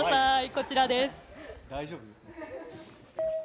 こちらです。